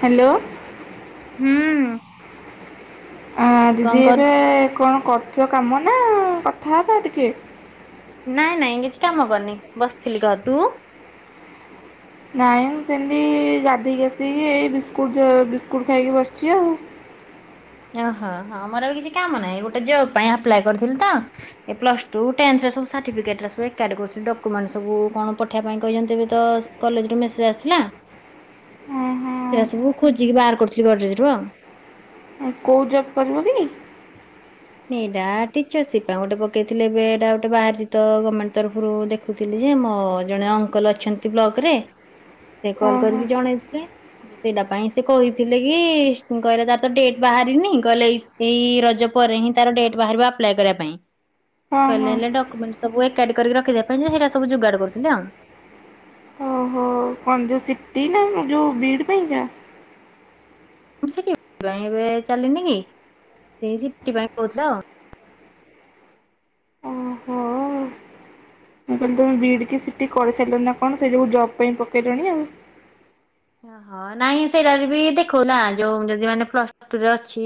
Hello ହୁଁ। ଅ କଣ ଦିଦି କରୁ ଏବେ କଣ କରୁଥୁଲ କାମ ନାଁ କଥା ହବା ଟିକେ। ନାଇଁ ନାଇଁ କିଛି କାମ କରିନି ବସିଥିଲି। କହ ତୁ? ନାଇଁ ମୁଁ ସେମତି ଗାଧେଇକି ଆସିକି ଏଇ ବିସ୍କୁଟ ଯ ବିସ୍କୁଟ ଖାଇକି ବସିଚି ଆଉ। ଏଅ ହ ହ ମୋର ବି କିଛି କାମ ନାହିଁ ଗୋଟେ ଜବ୍ ପାଇଁ ଆପ୍ଲାଏ କରିଥିଲି ତ ଏ ପ୍ଲସ୍ ଟୁ ଟେନ୍ଥର ସବୁ ସାର୍ଟିଫିକେଟରା ସବୁ ଏକାଠି କରୁଥିଲି ଡକ୍ୟୁମେଣ୍ଟ ସବୁ କଣ ପଠେଇବା ପାଇଁ କହିଚନ୍ତି ଏବେ ତ ସ୍ କଲେଜରୁ ମେସେଜ୍ ଆସିଥିଲା ହଁ ସେରା ସବୁ ଖୋଜିକି ବାହାର କରୁଥିଲି ଗଡରେଜରୁ ଆଉ। କୋଉ ଜବ୍ କରିବ କି? ଏଇଟା ଟିଚର ସିପ୍ ପାଇଁ ଗୋଟେ ପକେଇଥିଲେ ଏବେ ଏଟା ଗୋଟେ ବାହାରିଚି ତ ଗର୍ମେଣ୍ଟ ତରଫୁରୁ ଦେଖୁଥିଲି ଯେ ମୋ ଜଣେ ଅଙ୍କଲ ଅଛନ୍ତି ବ୍ଲକରେ ସେ ହଁ କଲ୍ ହଁ କରିକି ଜଣେଇଥିଲେ ଯେ ସେଇଟା ପାଇଁ ସେ କହିଥିଲେ କି ସ୍ କହିଲେ ତାର ତ ଡେଟ୍ ବାହାରିନି କହିଲେ ଏଇ ସି ରଜ ପରେ ହିଁ ତାର ଡେଟ୍ ବାହାରିବ ଆପ୍ଲାଏ କରିବା ପାଇଁ। ହଁ ହଁ କହିଲେ ହେଲା ଡକୁମେଣ୍ଟସ୍ ସବୁ ଏକାଠି କରିକି ରଖିଦେବା ପାଇଁ ଯେ ମୁଁ ସେଇଟା ସବୁ ଯୋଗାଡ କରୁଥିଲେ ଆଉ। ଓହୋ କଣ ଯୋଉ ସିଟି ନା ଯୋଉ ବିଇଡ ପାଇଁ କା। ସିଟି ପାଇଁ ଏବେ ଚାଲିନି କି ସେଇ ସିଟି ପାଇଁ କହୁଥିଲା ଆଉ। ଓହୋ ମୁଁ କହିଲି ତମ ବିଇଡି କି ସିଟି କରିସା ହେଲେ ନା କଣ ସେ ସବୁ ଜବ୍ ପାଇଁ ପକେଇଲେଣି ଆଉ। ଓହ ନାଇଁ ସେଇଟାରେ ବି ଦେଖଉନା ଯୋଉ ଯଦି ମାନେ ପ୍ଲସ୍ ଟୁ ରେ ଅଛି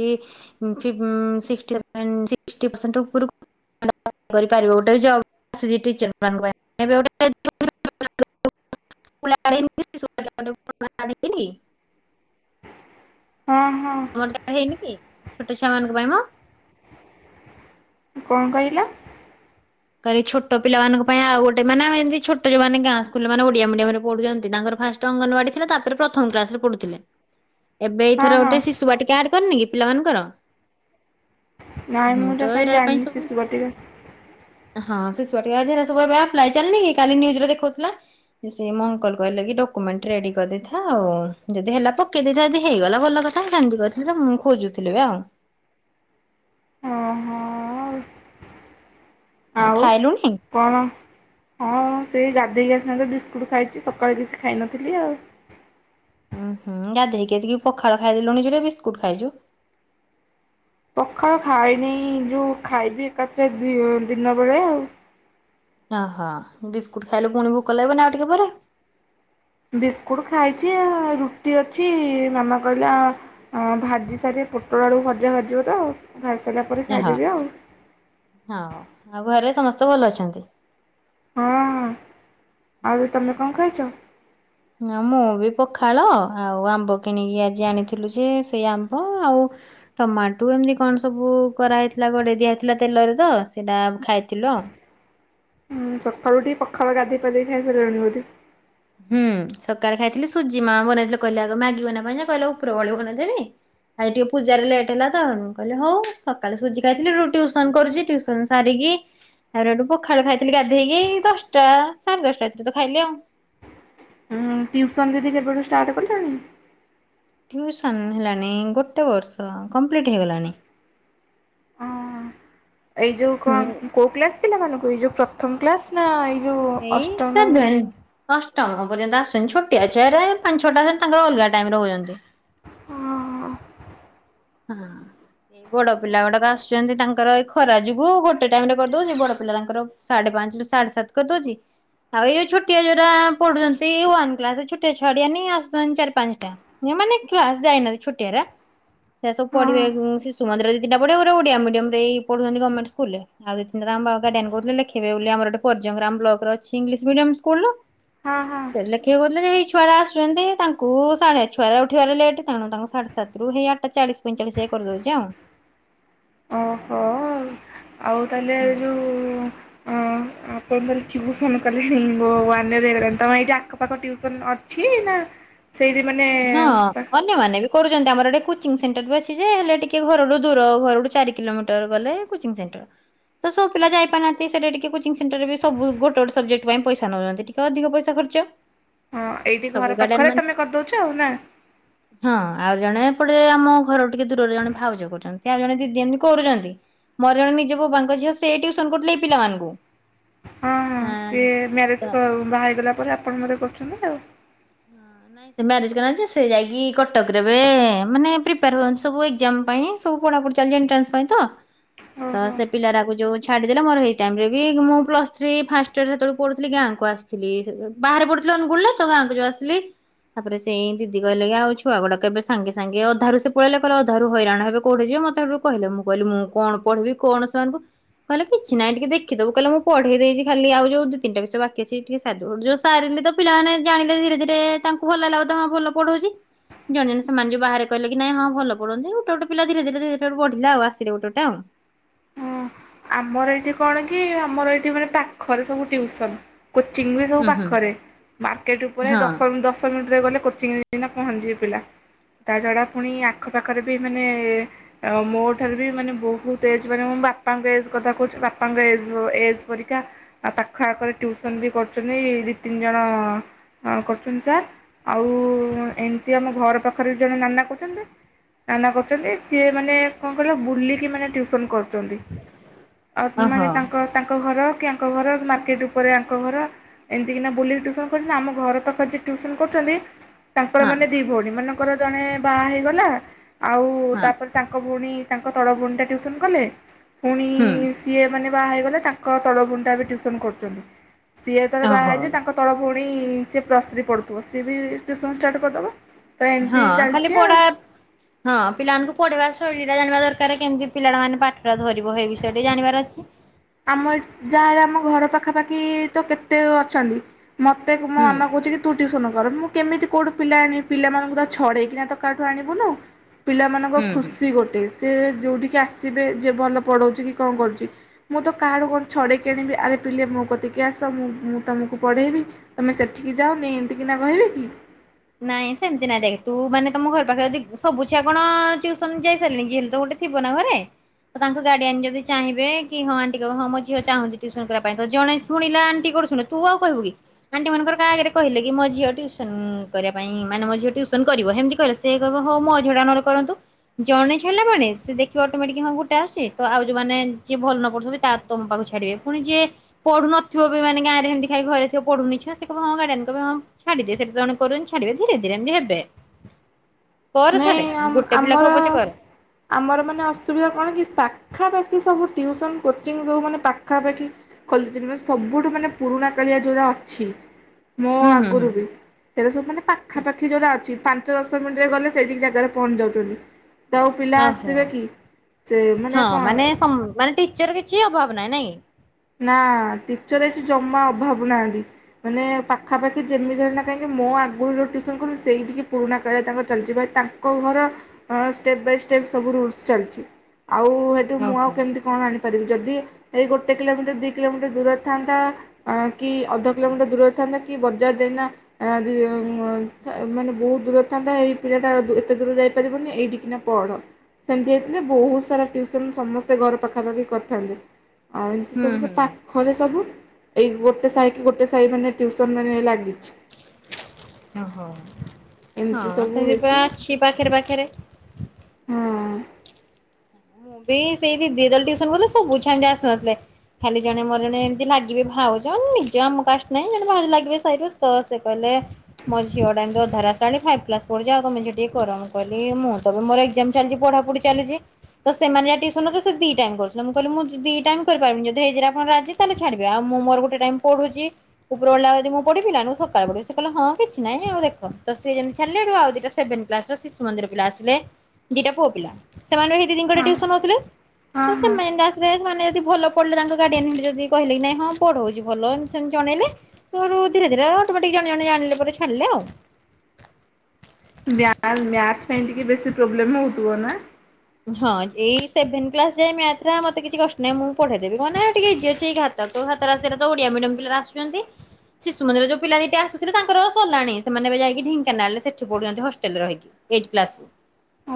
ଫିଭ୍ ସିକ୍ସଟି ପରସେଣ୍ଟ୍ ଉପରକୁ ତାର ଗୋଟେ ଜବ୍ ଫ୍ୟାସିଲିଟି ଟିଚର୍ସ [unintelligible] [unintelligible] ନି [inaudible] ହଁ ହଁ ତମର ତ ହେଇନି ଛୋଟ ଛୁଆ ମାନଙ୍କ ପାଇଁ ମା କଣ କହିଲ। କାଲି ଛୋଟ ପିଲାଙ୍କ ପାଇଁ ଆଉ ଗୋଟେ ମାନେେମ ଛୋଟ ଯୋଉମାନୋନ ଗାଁ ସ୍କୁଲ ମାନେ ଓଡିଆ ମିଡିମ ରେ ପଢୁଛନ୍ତି ତାଙ୍କର ଫାଷ୍ଟ ଅଙ୍ଗନବାଡି ଥିଲା ତାପରେ ପ୍ରଥମ କ୍ଲାସ ରେ ପଢୁଥିଲେ ଏବେ ହଁ ଏଇଥର ହଁ ଗୋଶୁଆ ଟିକେଡ କରିନି କି ପିଲାମାନଙ୍କର ନାଇଁ ହୁଁ ମୁଁ ତ କାଇହିଁ ଏରା ପାଇଁ ଜାଣିନି ସବୁ ଶିଶୁପତିିକ ହଁ ସେ ଛୁଆ ଟବପ୍ ଚାଲିନ କାଲିଜରେ ଦେଖଉଥିଲା ସେ ମଙ୍କଲ କହିଲେ କି ଡମେଣ୍ଟ ରେଡି କରିଦେଇଥା ଆଉ ଯଦି ହେ ପକେଇ ଦେଇଥା ଯ ହେଇଗଲା ଭଲ କଥାମତି କହି ମୁଁ ଖୋଜୁଥିଲି ଆଉ ହଁ ହଁ ଆଉ ଖାଇଲୁଣି କଣ ହଁ ସେ ଗାଧେଇକି ଆସି ଟ ଖାଇଛି ସକାଳେ କିଛି ଖାଇନଥିଲି ଆଉ ଉୁଁ ହୁଁ ଗାଧେଇକିତିକି ପଖାଳ ଖାଇଦେଲୁ ନିଜଟ ବିସ୍କୁଟ ଖାଇଛୁ? ପଖଳ ଖାାଇଇନି ଯୋଉ ଖାଇବି ଏକାଥରେ ଦିନ ବେଳେ ଆଉ ଓହୋ ବିସ୍କୁଟ ଖାଇଲେ ପୁଣି ଭୋକ ଲାଗିବନ ଆଉ ଟିକେ ପରେ ବିସ୍କୁଟ୍ ଖାଇଛି ରୁଟି ଅଛି ମାମା କହିଲେ ଭାଜି ସାରିେ ପୋଟଳ ଆଳକୁ ଭଜା ଭାଜିବ ତ ଭାଜି ସାରିଲା ପରେ ହଁ ଖାଇଦେବି ଆଉ। ହଁ ଆଉ ଘରେ ସମସ୍ତ ମତେ ଭଲ ଅଛନ୍ତି, ହଁ ହଁ ଆଉ ତମେ କଣ ଖାଇଛ, ହଁ ମୁଁ ବି ପଖାଳ ଆଉ ଆମ୍ବ କିଣିକି ଆଜି ଆଣିଥିଲୁ ଯେ ସେଇ ଆମ୍ବ ଆଉ ଟମାଟୋ ଏମିତି କଣ ସବୁ କରାହେଇଥିଲା ଗୋଡେଇ ଦିଆ ହେେଇଥିଲା ତେଲରେ ତ ସେଇଟା ଖାଇଥିଲୁ ଆଉ ସକାୁଟି ପଖାଳା ଗାଧି ପାାଧି ଖାଇସ ରଣିବଟି ହୁଁ ସକାଳେ ଖାଇଥିଲି ସୁଜି ମା ବନେଇଥିଲେ କହିଲେ ଆଗ ମାଗି ବନବା କହିଲ ଉପର ଭଳି ବନେଇ ଦେେି ଖଲି ଟିକେ ପୂଜାରେ ଲେଟ ହେଲା ତ କହିଲେ ହଉ ସକାଳେ ସୁଜି ଖାଇଥିଲିୁ ଟୁସନ କରୁଛି ଟୁସନ ସାରିକି ତାରେଠୁ ପଖାଳୁ ଖାଇଥିଲି ଗାଧେଇକି ଦଶଟା ସାଢେ ଦଶଟା ତ ଖାଇଲେ ଆଉ ଟଟି୍ୟୁସନ ଦଦି କେପଟ ଷ୍ଟାର୍ଟ କରିିଲଣି। ଟିଉସନ ହେଲାଣି ଗୋଟେ ବର୍ଷ କମ୍ପ୍ଲିଟ ହେଇଗଲାଣି ଏଇ ଯେଉ ହୁଁ। କଣ କୋ କ୍ଲାସ୍ ପିଲାମାନଙ୍କୁ ଏଇ ଯୋଉ ପ୍ରଥମ କ୍ଲାସ ନା ଏ [inaudible] ଏଇ ସବ ଭ [inaudible] ଅଷ୍ଟମ ପର୍ଯ୍ୟନ୍ତ ଆସୁଛନ୍ତିି ଛୋଟିଆ ଆଛରେ ପାଞ୍ଚ ଛୋଟ ଆସୁଛନ୍ତି ତାଙ୍କର ଅଲଗା ଟାଇମ ରେ ହଉଛନ୍ତି ହଁ ହଁ ଏ ବଡ ପିଲା ଗୁଡାକ ଆସୁଛନ୍ତି ତାଙ୍କର ଏଇ ଖରା ଯୋଗୁ ଗୋଟେ ଟାଇମ ରେ କରିଦଉଛି ବଡ ପିଲା ତାଙ୍କର ସାଢେ ପାଞ୍ଚ ରୁ ସାଢେ ସାତ କରିଦଉଛି ଆଉ ଏଇଉ ଛୋଟିଆ ଯୋଉଟା ପଢୁଛନ୍ତି କ ଛୋଟିଆ ଛଡିଆ ଆସୁଛନ୍ତି ଚାରି ପାଞ୍ଚଟା ମାନେ କ୍ସ ଯାଇନାହାନ୍ତି ଛୁଟିଆ ସେ ହଁ ସବୁଢେ ଶିୁନ୍ଦର ଦ ଟ ପଢ ଓଡିଆଡିୟମରେ ପଢଛନ୍ତି ଗର୍ଣ୍ମଣ୍ ସ୍କୁ ରେ ଆଉ ଦି ଟାଙ୍କ ବା ଗ କରୁଥିଲେ ଲେଖେ ବୋଲି ଆମରେର୍ଯ୍ୟଗ୍ରାମ ବ୍ଲକ ଅ ଇଂଶ ମିଡିମ ସ୍କୁଲ ହଁ ହଁ ସେ ଲେଖିଆ କରଲେ ଯେଇ ଛୁଆରେ ଆୁଛନ୍ତି ତାଙ୍କୁ ସାଢେ ଛଆରେ ଉଠିବାରେ ଲେଟ୍ ତେଣୁ ତାଙ୍କୁ ସାଢେ ସାତରୁ ହେଇଆ ଏଟା ଚାଳିଶ ପଇଁଚାଳିଶ ଏ କରିଦଉଛି ଆଉ ଓହୋ ଆଉ ତାହେଲେ ଏ ହୁଁ, ଯୋଉ ଅଁ ଆପଣ ତାଲେ ଟିଉସନ କଲେଣି ଓ ୱାନ ଇଅର୍ ହେଇଗଲାଣି ତମ ଏଇଠି ଆଖପାଖ ଟିଉସନ ଅଛି ନାଁ ହଁ ଅନ୍ୟମାନେ ବି କରୁ ଚନ୍ତ ଆମର ଏଠି କୋଚିଙ୍ଗ ସେଣ୍ଟର ବି ଅଛି ଯେ ହେଲେ ଟିକେ ଘରୁରୁ ଦୂର ଘରୁଟୁ ଚାରି କିଲୋମିଟର ଗଲେ କୋଚିଙ୍ଗ ସେଣ୍ଟର ତ ସବୁ ପିଲା ଯାଇପାରନାହାନ୍ତି ସେଟା ଟିକେ କୋଚିଙ୍ଗ ସେଣ୍ଟରରେ ବି ସବୁ ଗୋଟେ ଗୋଟେ ସେବଜେକ୍ଟ ପାଇଁ ପଇସା ନୋଉଚନ୍ତି ଟିକେ ଅଧିକ ପଇସା ଖର୍ଚ୍ଚ। ହଁ ଏଇଠି ସବୁ ଘର ଗାର୍ଡିଆନ ପାଖରେ ମାନେ ତମେ କରିଦୋଉଚ। ହଁ ଆଉ ଜଣେ ପଟେ ଆମ ଘରରୁ ଟିକେ ଦୂରରେ ଜଣେ ଭାଉଜ କରୁଚନ୍ତି। ଆଉ ଜଣେ ଦିଦି ଏମତି କରୁଚନ୍ତି। ମୋର ଜଣେ ନିଜ ବବାଙ୍କ ଝିଅ ସେ ଟିଉସନ କରୁଥୁଲେ ଏଇ ପିଲାମାନଙ୍କୁ। ହଁ ହଁ ସିଏ ହଁ ତ ମ୍ୟାରେଜ କ ବାହାହେଇ ଗଲାପରେ ଆ ପଣ ବୋଧେ କରୁଚନ୍ତି ଆଉ। ହଁ ନାଇଁ ସେ ମ୍ୟାରେଜ କରିନାହାନ୍ତି ଯେ ସେ ଯାଇକି କଟକରେ ଏବେ ମାନେ ପ୍ରିପାର ହୁଅନ୍ତି ସବୁ ଏଗ୍ଜାମ୍ ପାଇଁ ସବୁ ପଢ଼ାପୁଢ଼ି ଚାଲିଚି ଏଣ୍ଟ୍ରାନ୍ସ ପାଇଁ ତ। ତ ଓହୋ ସେ ପିଲାରାକୁ ଯୋଉ ଛାଡ଼ିଦେଲେ ମୋର ହେଇ ଟାଇମରେ ବି ମୁଁ ପ୍ଲସ୍ ଥ୍ରୀ ଫାଷ୍ଟ ଇୟରରେ ସେତୋଳୁ ପଢୁଥିଲି ଗାଁକୁ ଆସିଥିଲି ସେ ବାହାରେ ପଢୁଥିଲି ଅନୁଗୁଳରେ ତ ଗାଁକୁ ଯୋଉ ଆସ୍ ଥିଲି। ତାପରେ ସେଇ ଦିଦି କହିଲେ କି ଆଉ ଛୁଆ ଗୁଡ଼ାକ ଏବେ ସାଙ୍ଗେ ସାଙ୍ଗେ ଅଧାରୁ ସେ ପଳେଇଲେ କହିଲେ ଅଧାରୁ ହଇରାଣ ହେବେ କୋଉଠେ ଯିବେ ମତେ ହେଠୁ କହିଲେ ମୁଁ କହିଲି ମୁଁ କଣ ପଢ଼ିବି କଣ ସେମାନଙ୍କୁ। କହିଲେ କିଛି ନାହିଁ ଟିକେ ଦେଖିଦବୁ କହିଲେ ମୁଁ ପଢ଼େଇ ଦେଇଚି ଖାଲି ଆଉ ଯୋଉ ଦୁଇ ତିନିଟା ବିଷୟ ବାକି ଅଛି ଟିକେ ସାରିଦୋବୁ। ଯୋଉ ସାରିଲି ତ ପିଲାମାନେ ଜାଣିଲେ ଧୀରେ ଧୀରେ ଟେ ତାଙ୍କୁ ଭଲ ଲାଗିଲା ବୋଧେ ହଁ ଭଲ ପଢ଼ଉଚି। ଜଣେ ଜଣେ ସେମାନେ ଯୋଉ ବାହାରେ କହିଲେ କି ନାଇଁ ହଁ ଭଲ ପଢ଼ୁଅନ୍ତି। ଗୋଟେ ଗୋଟେ ପିଲା ଧୀରେ ଧୀରେ ଧୀରେ ତାରୁ ବଢ଼ିଲା ଆଉ ଆସିଲେ ଗୋଟେ ଗୋଟେ ଆଉ। ହଁ ଆମର ଏଇଠି କଣ କି ଆମର ଏଇଠି ମାନେ ପାଖରେ ସବୁ ଟିଉସନ୍। କୋଚିଂ ବି ସବୁ ଉଁ ହୁଁ ପାଖରେ। ମାର୍କେଟ ଉପରେ ହଁ ଦଶମ ଦଶ ମି ରେ ଗଲେ କୋଚିଂରେ ଇନା ପହଞ୍ଚି ଯିବେ ପିଲା। ତାଛଡ଼ା ପୁଣି ଆଖପାଖରେ ବି ମାନେ ଅ ମୋ ଠାରୁ ବି ମାନେ ବୋହୁତ ଏଜ୍ ମାନେ ମୋ ବା ପାଙ୍କ ଏଜ୍ କଥା କହୁଚ ବାପାଙ୍କ ଏଜ୍ ଏଜ୍ ପରୀକା ଆ ପାଖ ଆଖରେ ଟିଉସନ୍ ବି କରୁଚନ୍ତି ଦି ତିନି ଜଣ ଅଁ କରୁଚନ୍ତି ସାର୍। ଆଉ ଏମତି ଆମ ଘର ପାଖରେ ବି ଜଣେ ନାନା କରୁଚନ୍ତି ନାନା କରୁଚନ୍ତି ସିଏ ମାନେ କଁ କହିଲ ବୁଲିକି ମାନେ ଟ୍ୟୁଉସନ୍ କରୁଚନ୍ତି। ଅ ଓହୋ ମାନେ ତାଙ୍କ ତାଙ୍କ ଘର କି ୟାଙ୍କ ଘର ମାର୍କେଟ ଉପରେ ୟାଙ୍କ ଘର ଏମତିକିନା ବୁଲିକି ଟିଉସନ କରୁଚନ୍ତି। ଆମ ଘର ପାଖରେ ଯିଏ ଟିଉସନ କରୁଚନ୍ତି ତାଙ୍କର ହଁ ମାନେ ଦି ଭୋଉଣୀ ମାନେ ତାଙ୍କର ଜଣେ ବାହା ହେଇଗଲା। ଆଉ ହଁ ତାପରେ ତାଙ୍କ ଭୋଉଣୀ ତା ଙ୍କ ତଳ ଭୋଉଣୀଟା ଟ୍ୟୁସନ୍ କଲେ। ଫୁଣି ହୁଁ ସିଏ ମାନେ ବାହା ହେଇଗଲେ ତାଙ୍କ ତଳ ଭୋଉଣୀଟା ଏବେ ଟ୍ୟୁସନ୍ କରୁଚନ୍ତି। ସିଏ ଯେତୋଳେ ବାହା ଓହୋ ହେଇଯିବେ ତାଙ୍କ ତଳ ଭୋଉ ବି ସିଏ ପ୍ଲସ୍ ଥ୍ରୀ ପଢ଼ୁଥୁବ ସିଏ ବି ଟ୍ୟୁସନ୍ ଷ୍ଟାର୍ଟ କରିଦବ। ହଁ ଖାଲି ପଢ଼ା ହଁ ପିଲାମାନଙ୍କୁ ପଢ଼େଇବା ଶୈଳୀ ଲା ଜାଣିବା ଦରକାରେ କେମତି ପିଲାଟା ମାନେ ପାଠଟା ଧରି ବ ହେଇ ବିଷୟରେ ଟିକେ ଜାଣିବାର ଅଛି। ଆମ ଏଠି ଯାହା ହେଲେ ଆମ ଘର ପାଖାପାଖି ତ କେତେ ଅଛନ୍ତି। ମତେ ମୋ ହୁଁ ମାମା କୋହୁଚି କି ତୁ ଟିଉସନ କର ମୁଁ କେମିତି କୋଉଠୁ ପିଲା ଆଣିବି ପିଲାମାନଙ୍କୁ ତ ଛଡେଇକିନା ତ କାଠୁ ଆଣିବୁନୁ। ପିଲାମାନଙ୍କ ହୁଁ ହୁଁ ଖୁସି ଗୋଟେ ସେ ଯଉଠିକି ଆସିବେ ଯେ ଭଲ ପଢ଼ଉଛି କି କଣ କରୁଛି? ମୁଁ ତ କାହାଡୁ କଣ ଛଡ଼େଇକି ଆଣିବି ଆରେ ପିଲେ ମୋ କତିକି ଆସ ମୁଁ ମୁଁ ତୁମକୁ ପଢ଼େଇବି ତୁମେ ସେଠିକି ଯାଅନି। ଏମତିକିନା କହିବି କି ନାଇଁ ସେମିତି ନାଇଁ ଦେଖ ତୁ ମାନେ ତମ ଘର ପାଖରେ ଯଦି ସବୁ ଛିଆ କଣ ଟିଓସନ ଯାଇ ସାରିଲେନି ଯିଏ ହେଲେ ତ ଗୋଟେ ଥିବ ନା ଘରେ ତାଙ୍କ ଗାର୍ଡିଆନ ଯଦି ଚାହିଁବେ କି ହଁ ଆଣ୍ଟି କ ହଁ ମୋ ଝିଅ ଚାହୁଁଛି ଟିଉସନ କରିବା ପାଇଁ ତ ଜଣେ ଶୁଣିଲା ଆଣ୍ଟି କ ଠୁ ଶୁଣୁ ତୁ ଆଉ କହିବୁ କି ଆଣ୍ଟି ମାନଙ୍କର କାହାଗରେ କହିଲେ କି ମୋ ଝିଅ ଟିଉସନ କରିବା ପାଇଁ ମାନେ ମ ଝିଅ ଟିଉସନ କରିବ ହେମିଦି କହିଲେ ସେ କହିବ ହଉ ମ ଝିଅଡା ନ ହେଲେ କରନ୍ତୁ ଜଣେ ଛାଡିଲାମାନେ ସେ ଦେଖିବ ଅଟୋମେଟିକ୍ ହଁ ଗୋଟେ ଆସୁଛି ତ ଆଉ ଯଉମାନେ ଯିଏ ଭଲ ନ ପଢୁଥିବ ବି ତା ତମ ପାଖ କୁ ଛାଡିବେ ପୁଣି ଯିଏ ପଢୁନଥିବ ବି ମାନେ ଗାଁ ରେ ହେମିଦି ଖାଲି ଘରେ ଥିବ ପଢୁନି ଛୁଆ ସେ କହିବ ହଁ ଗାଡିଆନ କିହିବେ ହଁ ଛାଡିଦିଏ ସେ ତ ଜଣେ କରନି ଛାଡିବେ ଧୀରେ ଧୀରେ ଏମତି ହେବେ। କର ଥରେ ନାଇଁ ଗୋଟେ ପିଲା ଆମର କୁ ପଛେ କର ଆମର ମାନେ ଅସୁବିଧା କଣ କି ପାଖାପାଖି ସବୁୁ ଟିଉସନ କୋଚିଙ୍ଗ୍ ସବୁ ମାନେ ପାଖାପାଖି ଖଲଛନ୍ତି ମାନେ ସବୁଠୁ ମାନେ ପୁରୁଣା କାଳିଆ ଯୋଉଟା ଅଛି। ମୋ ହୁଁ ହୁଁ ହୁଁ ଆଗରୁ ବି ସେଟା ସବୁ ମାନେ ପାଖାପାଖି ଯୋଉରା ଅଛି। ଦଶ ମିନିଟରେ ଗଲେ। ସେଇଠିକ ଜାଗାରେ ପହଞ୍ଚି ଯାଉଛନ୍ତି। ତ ଆଉ ପିଲା ଓହୋ ଆସିବେ କି? ସେ ହଁ କଣ ମାନେ ସ ମାନେ ଟିଚର କିଛି ଅଭାବ ନାହିଁ ନାଇଁ। ନା ଟିଚର ଏଠି ଜମା ଅଭାବ ନାହାଁନ୍ତି। ମାନେ ପାଖାପାଖି ଯେମିତି ହେ କାହିଁକି ମୋ ଆଗରୁ ଯୋଉୁସନ କ ସେଇଠିକି ପୁରୁଣା କ ତାଙ୍କର ଚାଲିଛି ତାଙ୍କ ଘର ଷ୍ଟେପ୍ ବାଇ ଷ୍ଟେପ ସବୁ ରୁଲସ ଚାଲିଛି। ଆଉ ହେଠୁ ମୁଁ ଆଉ ଓହୋ। କେମିତି କଣ ଆଣିପାରିବି। ଯଦି ଏଇ ଗୋଟ କେତେ କିଲୋମିଟର ଦୁଇ କିଲୋମିଟର ଦୂର ଥାନ୍ତା। କି ଅଧ କିଲୋମିଟର ଦୂରରେ ଥାନ୍ତା। କି ବଜାର ଦେଇନା ମାନେ ବହୁତ ଦୂରରେ ଥାନ୍ତା ଏଇ ପିଲାଟା ଏତେ ଦୂର ଯାଇପାରିବନି ଏଇଠିକିନା ପଢ। ସେମିତି ହେଇଥିଲେ ବହୁତ ସାରା ଟିଉସନ୍ ସମସ୍ତେ ଘର ପାଖାପାଖି କରିଥାନ୍ତେ। ଆଉ ଏମିତି ହୁଁ ସବୁ ହୁଁ ପାଖରେ ସବୁ ଏଇ ଗୋଟେ ସାହି କି ଗୋଟେ ସାହି ମାନେ ଟ୍ୟୁସନ ମାନେ ଲାଗି ଓହୋ ଏମିତି ହଁ ସବୁ ସେମିତି ପୁରା ହେଇଛି ହଁ ଅଛି ପାଖେରେ ପାଖେରେ। ମୁଁ ବି ସେଇ ଦିଦି ଯେତେବେଳେ ଟିଉସନ କରୁଥିଲେ ସବୁ ଏମତି ଆସିନଥିଲେ। ଖାଲି ଜଣେ ମୋର ଜଣେ ଏମତି ଲାଗିବେ ଭାଉଜ ନିଜ ଆମ କାଷ୍ଟ ନାହିଁ ଜଣେ ଭାଉ ଲାଗିବେ ସାଇରୁ ତ ସେ କହିଲେ ମୋ ଝିଅ ଟା ଏତି ଅଧାର ଆସିଲାଣି ଫାଇପ୍ ପ୍ଲାସ ପଢୁଛି। ଆ ତମେ ସେ ଟିକେ କର। ମୁଁ କହିଲି ମୁଁ ତ ମୋର ଏଗଜାମ ଚାଲିଛି ପଢାପଢି ଚାଲିଛି। ତ ସେମାନେ ଯହା ଟିଉସନ କ ଦି ଟାଇମ୍ କରୁଥିଲେ ମୁଁ କହିଲି ମୁଁ ଦି ଟାଇ କରିପାରିବିନି। ଯଦି ହେଇଥିରେ ଆପଣ ରାଜି ତାହାଲେ ଛାଡିବେ। ଆଉ ମୁଁ ମୋର ଗୋଟେ ଟାଇମ୍ ପଢୁଛି। ଉପର ବେଳି ଟା ଯଦି ମୁଁ ପଢିବି ନା ନୁ ସକାଳେ ପଢିବି। କହିଲ ହଁ କିଛି ନାହିଁ ଆଉ ଦେଖ। ତ ସିଏ ଯେମିତି ଛାଡିଲେ ଏଠୁ ଆଉ ଦିଟା ସେଭେନ୍ କ୍ଲାସ୍ ର ଶିଶୁ ମନ୍ଦିର ପିଲା ଆସିଲେ ଦିଟା ପୁଅ ପିଲା। ସେମାନେ ଙ୍କଠି ହଁ ଟିଉସନ ହଉଥିଲେ ହଁ ତ ସେ ହଁ ମେନ ଗାସ୍ ରେ ସେମାନେ ଯଦି ଭଲ ପଢିଲେ ତାଙ୍କ ଗାଡିଆନ ଯଦି କହିଲେ କି ନାଇଁ ହଁ ପଢଉଛି ଭଲ ଏମତି ସେମତି ଜଣେଇଲେ। ତୁ ହେଠୁ ଧୀରେ ଧୀରେ ଅଟୋମେଟିକ ଜଣେ ଜଣେ ଜାଣିଲେ ପରେ ଛାଡିଲେ ଆଉ। ବ୍ୟାଲ ମ୍ୟାଚ୍। କାଇହିଁ ଟିକେ ବେଶୀ ପ୍ରୋବ୍ଲେମ ହଉଥିବ ନା। ହଁ ଏଇ ସେଭେନ୍ କ୍ଲାସ ଯାଏଁ ମ୍ୟାଥ ରା ମତେ କିଛି କଷ୍ଟ ନାହିଁ। ମୁଁ ପେଢେଇ ଦେବି କଣନା ଟିକେ ଇଯି ଅଛି। ସେଇରା ତ ଓଡିଆ ମିଡିୟମ ପିଲା ରାକ ଆସୁଛନ୍ତି। ଶିଶୁ ମନ୍ଦିର ଯୋଉ ପିଲା ଦିିଟା ଆସୁଥିଲେ ତାଙ୍କର ସଲାଣି। ସେମାନେ ଏବେ ଯାଇକି ଢେଙ୍କାନାଳରେ ସେଠି ପଢୁଛନ୍ତି ହଷ୍ଟେଲରେ ରହିକି। ଏଇ୍ସ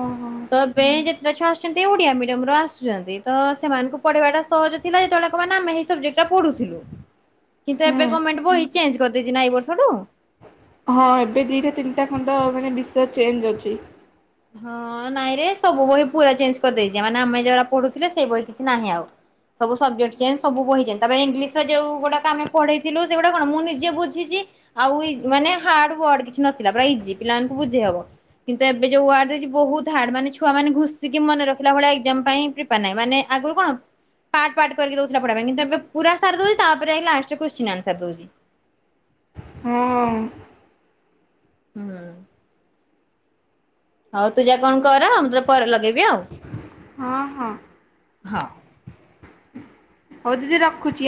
ଓହୋ ତ ଏବେ ଯେତେଟା ଛୁଆ ଆସୁଛନ୍ତି ଓଡିଆ ମିଡିୟମ ର ଆସୁଛନ୍ତି। ତ ସେମାନଙ୍କୁ ପଢେଇବାଟା ସହଜ ଥିଲା। ଯେତେବେଳେ ମାନେ ଆମେ ସେଇ ସବଜେକ୍ଟା ପଢୁଥିଲୁ। କିନ୍ତୁ ହୁଁ ଏବେ ଗମେଣ୍ଟ ବହି ଚେଞ୍ଜ କରିଦେଇଛି ନା ଏଇ ବର୍ଷଠୁ। ହଁ ଏବେ ଦିଇଟା ତିନିଟା ଖଣ୍ଡ ମାନେ ବିଷୟ ଚେଞ୍ଜ ଅଛି। ହଁ ନାଇଁ ରେ ସବୁ ବହି ପୁରା ଚେଞ୍ଜ କରିଦେଇଛି। ମାନେ ଆମେ ଯଉଁଡା ପଢୁଥିଲେ ସେଇ ବହି କିଛି ନାହିଁ ଆଉ। ସବୁ ସବଜେକ୍ଟ ଚେଞ୍ଜ ସବୁ ବହି ତାପରେ ଇଂଲିଶର ଯୋଉ ଗୁଡାକ ଆମେ ପଢେଇଥିଲୁ ସେଗୁଡା କଣ ମୁଁ ନିଜେ ବୁଝିଛି। ଆଉ ମାନେ ହାର୍ଡ ୱାର୍ଡ କିଛି ନଥିଲା ପୁରା ଇଜି ପିଲାମାନଙ୍କୁ ବୁଝେଇ ହବ। କିନ୍ତୁ ଏବେ ଯେଉ ୱାର୍ଡ ଦେଇଚି ବହୁତ ହାର୍ଡ ମାନେ ଛୁଆମାନେ ଘୁଷିକି ମନେ ରଖିଲା ଭଳିଆ ଏଜାମ ପାଇଁ ପ୍ରିପୋର ନାହିଁ। ମାନେ ଆଗରୁ କଣ ପାର୍ଟ ପାର୍ଟ କରିକି ଦଉଥିଲା ପଢିବା ପାଇଁ। କିନ୍ତୁ ଏ ପୁରା ସାରି ଦଉଛି ତାପରେ ଯାଇଁକି ଲାଷ୍ଟେ ରେ କୋଶଚିନି ଆନସାର ଦଉଚି। ହଁ ହୁଁ। ହଉ ତୁ ଯା କଣ କର ମୁଁ ତତେ ପରେ ଲଗେଇବି ଆଉ। ହଁ ହଁ। ହଁ। ହଉ ଦିଦି ରଖୁଛି ଆ।